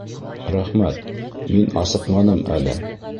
Рәхмәт, мин асыҡманым әле